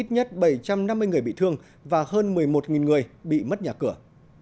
ít nhất bảy trăm năm mươi người bị thương và hơn một mươi một người bị mất nhà cửa